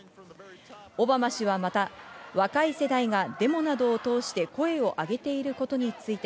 オバマ氏はまた若い世代がデモなどを通して声を上げていることについて、